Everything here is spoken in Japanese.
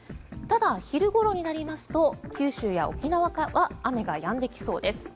ただ、昼ごろになりますと九州や沖縄は雨がやんできそうです。